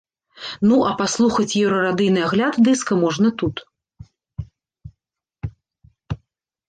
Ну, а паслухаць еўрарадыйны агляд дыска можна тут.